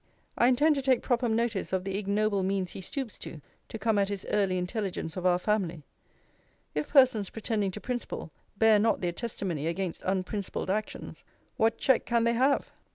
I intend to take proper notice of the ignoble means he stoops to, to come at his early intelligence of our family. If persons pretending to principle, bear not their testimony against unprincipled actions, what check can they have?